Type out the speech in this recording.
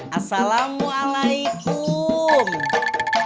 letakkan lela cade